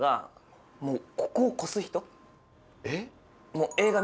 えっ？